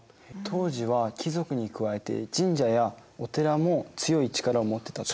当時は貴族に加えて神社やお寺も強い力を持ってたってことですか？